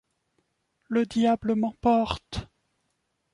Le diable m’emporte !